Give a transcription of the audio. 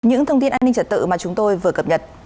những thông tin an ninh trật tự mà chúng tôi vừa cập nhật